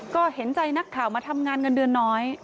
ก็เห็นใจนักข่าวมาทำงานเงินเดือนน้อย